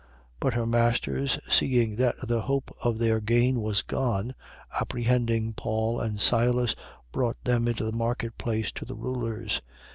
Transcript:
16:19. But her masters, seeing that the hope of their gain was gone, apprehending Paul and Silas, brought them into the market place to the rulers.